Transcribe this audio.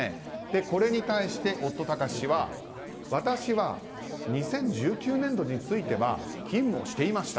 これに対して夫・貴志氏は私は２０１９年度については勤務をしていました。